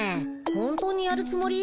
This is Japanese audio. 本当にやるつもり？